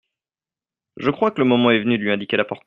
Je crois que le moment est venu de lui indiquer la porte…